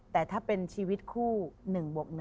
แต่ถ้าเป็นชีวิตคู่๑บวก๑